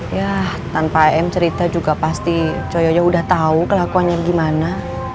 yah tanpa em cerita juga pasti coyonya udah tau kelakuannya gimana